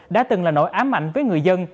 đã từng là nỗi ám ảnh với người dân